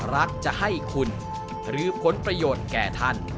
รักจะให้คุณหรือผลประโยชน์แก่ท่าน